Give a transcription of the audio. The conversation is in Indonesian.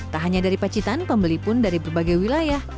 tak hanya dari pacitan pembeli pun dari berbagai wilayah